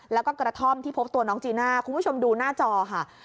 แล้วก็กระท่อมที่พบตัวน้องจีน่าคุณผู้ชมดูหน้าจอค่ะ